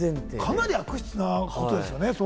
かなり悪質なことですよね。